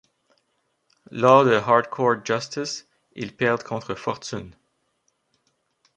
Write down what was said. Lors de Hardcore Justice, ils perdent contre Fortune.